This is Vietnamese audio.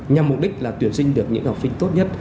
nhằm mục đích là tuyển sinh được những học sinh tốt nhất